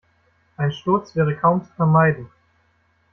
Ein Sturz wäre kaum zu vermeiden.